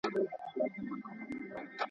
هم بادار هم خریدار ته نازنینه !.